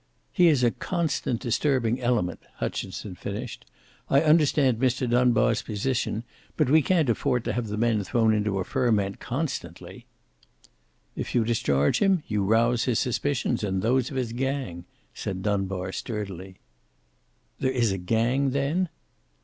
"He is a constant disturbing element," Hutchinson finished; "I understand Mr. Dunbar's position, but we can't afford to have the men thrown into a ferment, constantly." "If you discharge him you rouse his suspicions and those of his gang," said Dunbar, sturdily. "There is a gang, then?"